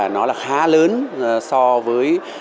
nó là khá lớn so với